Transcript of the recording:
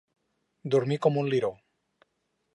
Dormir com un liró.